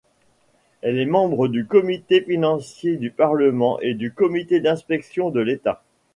Elle est membre du comité financier du Parlement, et du comité d’inspection de l’État.